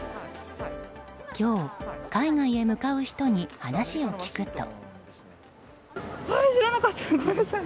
今日、海外へ向かう人に話を聞くと。